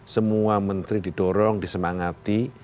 semua menteri didorong disemangati